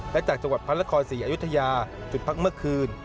และจากจังหวัดพระนครศรีอยุธยาจุดพักเมื่อคืน